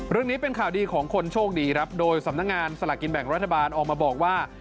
เรื่องนี้เป็นข่าวดีของคนโชคดีครับโดยสำนักงานสลากกินแบ่งรัฐบาลออกมาบอกว่า